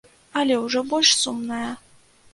Але ўжо больш сумная.